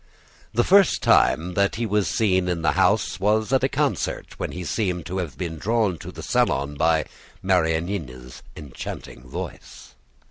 The first time that he was seen in the house was at a concert, when he seemed to have been drawn to the salon by Marianina's enchanting voice.